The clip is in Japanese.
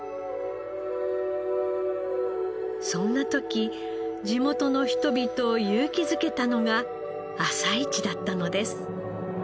そんな時地元の人々を勇気づけたのが朝市だったのです。